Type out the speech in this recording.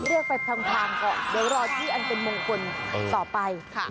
เรียกไปทางทางก็โดยรอสิอันเป็นมงคลต่อไป